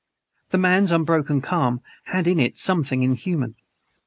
The man's unbroken calm had in it something inhuman.